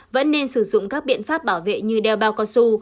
vẫn nên sử dụng các biện pháp bảo vệ như đeo bao cao su